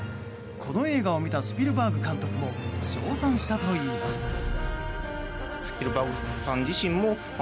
この映画を見たスピルバーグ監督も称賛したといいます。